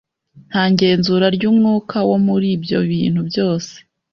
nta genzura ry'umwuka wo muri ibyo bintu byose